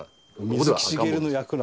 水木しげるの役なんで。